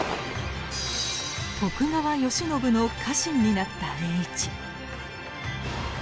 徳川慶喜の家臣になった栄一。